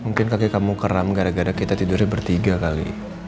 mungkin kaki kamu keram gara gara kita tidurnya bertiga kali